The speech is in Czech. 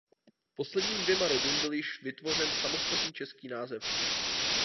Posledním dvěma rodům byl již vytvořen samostatný český název.